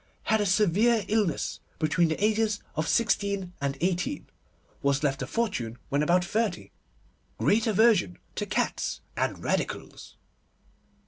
Had a severe illness between the ages sixteen and eighteen. Was left a fortune when about thirty. Great aversion to cats and Radicals.